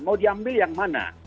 mau diambil yang mana